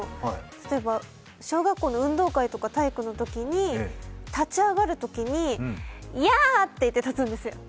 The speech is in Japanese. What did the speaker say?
例えば小学校の運動会とか体育のときに立ち上がるときにいやーって言って立ち上がるんですよ。